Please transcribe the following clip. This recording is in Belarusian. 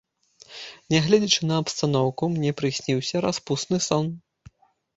Нягледзячы на абстаноўку, мне прысніўся распусны сон.